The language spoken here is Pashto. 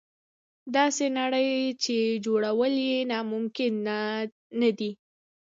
داسې نړۍ چې جوړول یې ناممکن نه دي.